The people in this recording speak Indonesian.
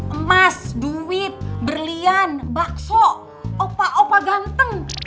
emas duit berlian bakso opa opa ganteng